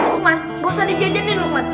lukman bosan di jajanin lukman